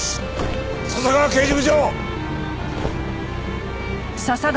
笹川刑事部長！